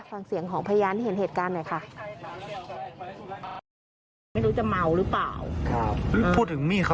ฟังเสียงของพยานที่เห็นเหตุการณ์หน่อยค่ะ